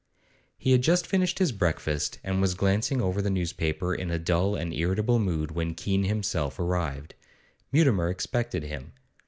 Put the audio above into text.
He had just finished his breakfast, and was glancing over the newspaper in a dull and irritable mood, when Keene himself arrived. Mutimer expected him.